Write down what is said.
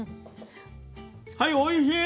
はいおいしい！